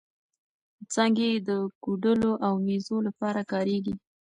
څانګې یې د کوډلو او مېزو لپاره کارېږي.